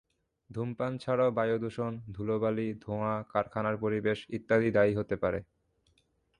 ধূমপান ছাড়াও বায়ুদূষণ, ধুলোবালি, ধোঁয়া, কারখানার পরিবেশ ইত্যাদি দায়ী হতে পারে।